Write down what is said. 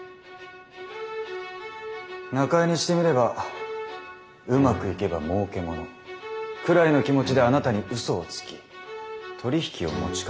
中江にしてみれば「うまくいけばもうけもの」くらいの気持ちであなたにうそをつき取り引きを持ちかけた。